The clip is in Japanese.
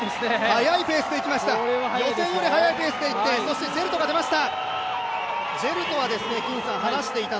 速いペースでいきました、予選より速いペースでいってそしてジェルトが出ました。